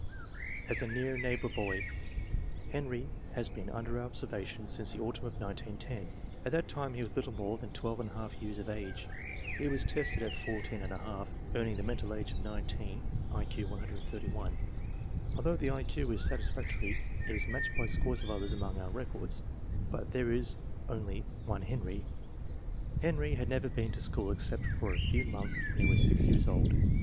As a near neighbor boy, Henry has been under our observation since the autumn of 1910. At that time he was a little more, than 1&J years of age. He was tested at 14$, earning the mental age of 19 (I Q 131). FORTY ONE SUPERIOR CHILDREN 247 Although the I Q is satisfactory, it is matched by scores of others among our records; but there is only one Henry. Henry had never been to school except for a few months when he was 6 years old.